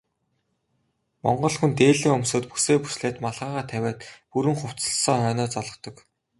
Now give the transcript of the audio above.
Монгол хүн дээлээ өмсөөд, бүсээ бүслээд малгайгаа тавиад бүрэн хувцасласан хойноо золгодог.